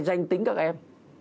danh tính các em